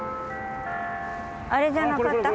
あれじゃなかった？